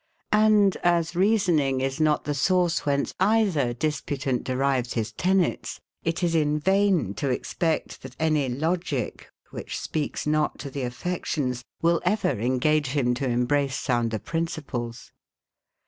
And as reasoning is not the source, whence either disputant derives his tenets; it is in vain to expect, that any logic, which speaks not to the affections, will ever engage him to embrace sounder principles.